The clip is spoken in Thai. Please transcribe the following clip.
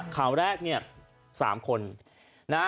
ข่าวแรก๓คน